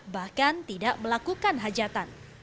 bahkan tidak melakukan hajatan